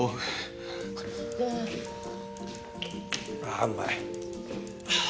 ああうまい。